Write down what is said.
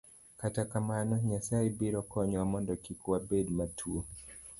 Kata kamano, Nyasaye biro konyowa mondo kik wabed matuwo.